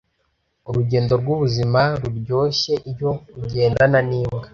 urugendo rw'ubuzima ruryoshye iyo ugendana n'imbwa